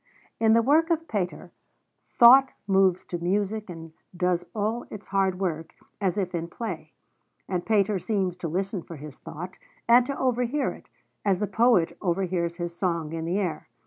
In the work of Pater, thought moves to music, and does all its hard work as if in play. And Pater seems to listen for his thought, and to overhear it, as the poet overhears his song in the air.